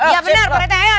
iya bener pak rt ayo